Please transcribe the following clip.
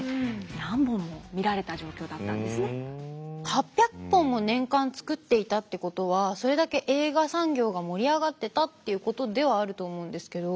８００本も年間作っていたってことはそれだけ映画産業が盛り上がってたっていうことではあると思うんですけど。